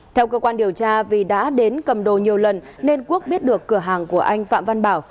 theo cơ quan điều tra vì đã đến cầm đồ nhiều lần nên quốc biết được cửa hàng của anh phạm văn bảo